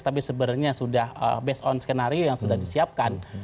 tapi sebenarnya sudah based on skenario yang sudah disiapkan